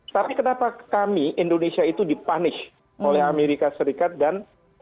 tapi kenapa kami indonesia itu dipanis oleh amerika serikat dan